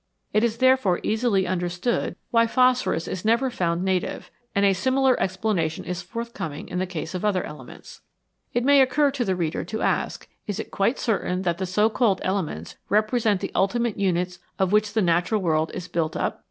It is therefore easily understood why phosphorus is never 31 NATURE'S BUILDING MATERIAL found native, and a similar explanation is forthcoming in the case of other elements. It may occur to the reader to ask Is it quite certain that the so called elements represent the ultimate units of which the natural world is built up